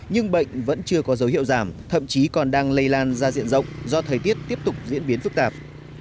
nhưng bệnh vẫn chưa có dấu hiệu giảm thậm chí còn đang lây lan ra diện rộng do thời tiết tiếp tục diễn biến phức tạp